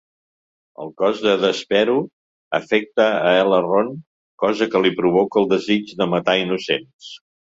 El cos de Despero afecta a L-Ron, cosa que li provoca el desig de matar innocents.